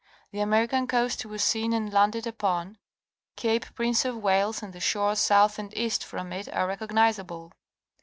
The American coast was seen and landed upon; Cape Prince of Wales and the shore south and east from it are recognizable.